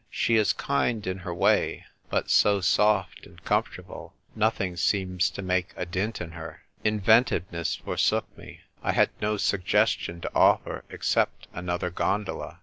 She is kind in her way, but so soft and comfortable. Noth ing seems to make a dint in her." Inventiveness forsook me. I had no sug gestion to offer except another gondola.